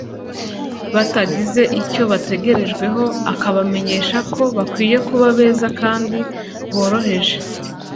batagize icyo bategerejweho, akabamenyesha ko bakwiye kuba beza kandi boroheje;